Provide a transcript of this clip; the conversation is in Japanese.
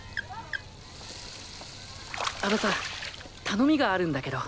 あのさ頼みがあるんだけど。